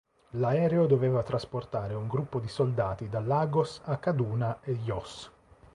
L'aereo doveva trasportare un gruppo di soldati da Lagos a Kaduna e Jos.